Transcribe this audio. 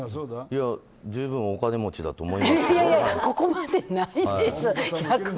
十分お金持ちだと思いますけど。